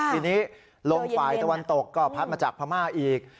ทีนี้ลมฝ่ายตะวันตกก็พัดมาจากพม่าอีก